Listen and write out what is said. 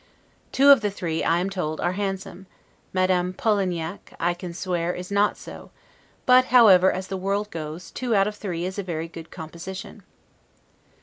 Two of the three, I am told, are handsome; Madame Polignac, I can swear, is not so; but, however, as the world goes, two out of three is a very good composition.